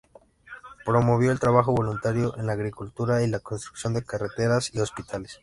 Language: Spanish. Promovió el trabajo voluntario en la agricultura y la construcción de carreteras y hospitales.